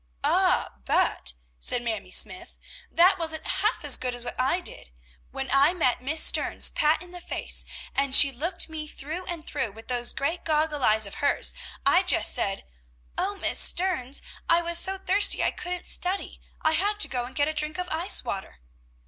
"Ah, but!" said Mamie Smythe, "that wasn't half as good as what I did. When I met Miss Stearns pat in the face, and she looked me through and through with those great goggle eyes of hers, I just said, 'O Miss Stearns, I was so thirsty I couldn't study; I had to go and get a drink of ice water!'